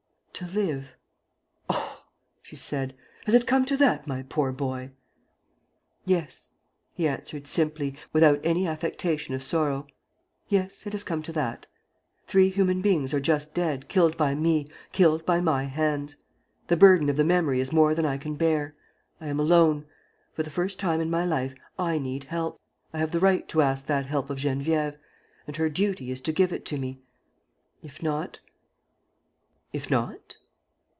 "To live. ..." "Oh!" she said. "Has it come to that, my poor boy? ..." "Yes," he answered, simply, without any affectation of sorrow, "yes, it has come to that. Three human beings are just dead, killed by me, killed by my hands. The burden of the memory is more than I can bear. I am alone. For the first time in my life, I need help. I have the right to ask that help of Geneviève. And her duty is to give it to me. ... If not ..." "If not